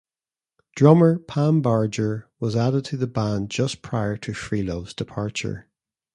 Drummer Pam Barger was added to the band just prior to Freelove's departure.